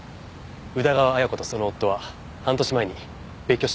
宇田川綾子とその夫は半年前に別居しています。